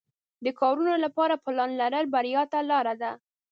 د کارونو لپاره پلان لرل بریا ته لار ده.